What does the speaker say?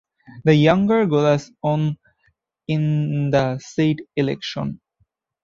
The younger Gullas won in the said election.